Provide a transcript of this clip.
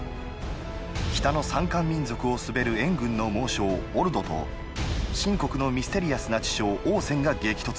北の山間民族を統べる燕軍の猛将・オルドと秦国のミステリアスな知将王翦が激突。